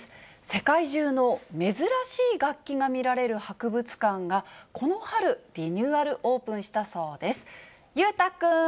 世界中の珍しい楽器が見られる博物館が、この春、リニューアルオープンしたそうです。